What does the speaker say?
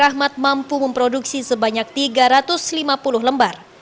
rahmat mampu memproduksi sebanyak tiga ratus lima puluh lembar